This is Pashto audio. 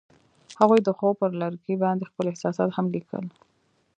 هغوی د خوب پر لرګي باندې خپل احساسات هم لیکل.